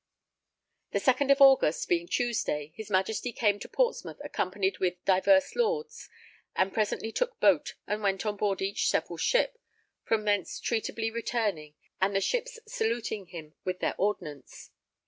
The second of August, being Tuesday, his Majesty came to Portsmouth accompanied with divers lords, and presently took boat and went on board each several ship, from thence treatably returning, and the ships saluting him with their ordnance.